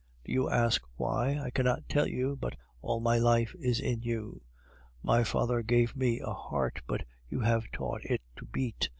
Do you ask why? I cannot tell you, but all my life is in you. My father gave me a heart, but you have taught it to beat.